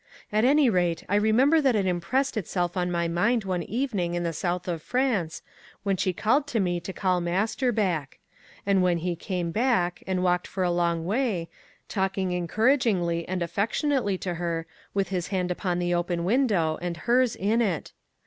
At any rate, I remember that it impressed itself upon my mind one evening in the South of France, when she called to me to call master back; and when he came back, and walked for a long way, talking encouragingly and affectionately to her, with his hand upon the open window, and hers in it.